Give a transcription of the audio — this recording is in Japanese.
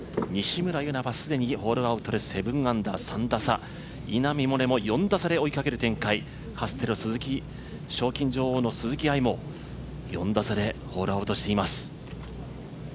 西村優菜はすでにホールアウトで７アンダー、３打差、稲見萌寧も４打差で追いかける展開鈴木愛も４打差でホールアウトしています。